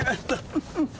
フフフフ。